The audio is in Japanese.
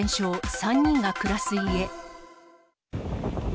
３人が暮らす家。